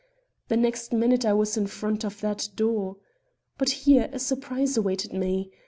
The next minute I was in front of that door. But here a surprise awaited me.